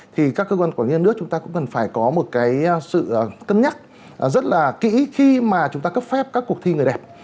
thì các cơ quan quản lý nhà nước chúng ta cũng cần phải có một cái sự cân nhắc rất là kỹ khi mà chúng ta cấp phép các cuộc thi người đẹp